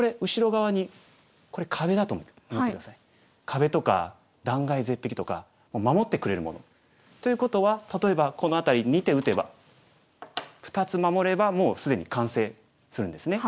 壁とか断崖絶壁とか守ってくれるもの。ということは例えばこの辺り２手打てば２つ守ればもう既に完成するんですね。